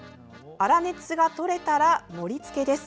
粗熱がとれたら盛り付けです。